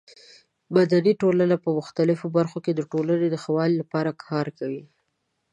مدني ټولنه په مختلفو برخو کې د ټولنې د ښه والي لپاره کار کوي.